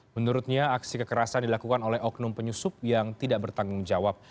menurutnya aksi kekerasan dilakukan oleh oknum penyusup yang tidak bertanggung jawab